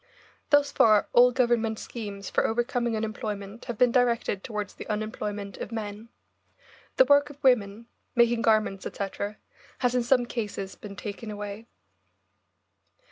Thus far all Government schemes for overcoming unemployment have been directed towards the unemployment of men. The work of women, making garments, etc., has in some cases been taken away.